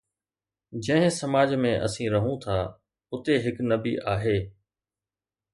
جنهن سماج ۾ اسين رهون ٿا، اتي هڪ نبي آهي.